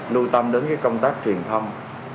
lưu tâm đến công tác truyền thông